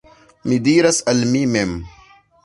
Mi diras al mi mem: